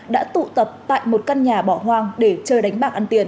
đã tụ tập tại một căn nhà bỏ hoang để chơi đánh bạc ăn tiền